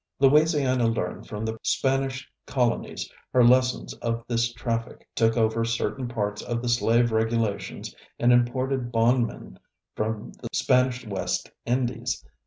Louisiana learned from the Spanish colonies her lessons of this traffic, took over certain parts of the slave regulations and imported bondmen from the Spanish West Indies.